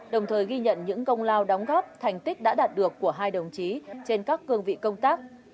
đồng thời ghi nhận những công lao đóng góp thành tích đã đạt được của hai đồng chí trên các cương vị công tác